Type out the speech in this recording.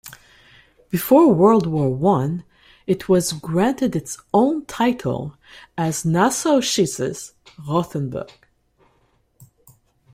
Before World War One, it was granted its own title as "Nassauisches Rothenburg".